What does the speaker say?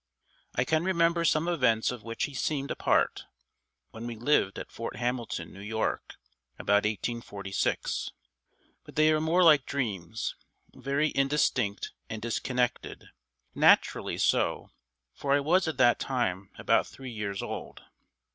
I can remember some events of which he seemed a part, when we lived at Fort Hamilton, New York, about 1846, but they are more like dreams, very indistinct and disconnected naturally so, for I was at that time about three years old.